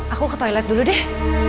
aku ke toilet dulu deh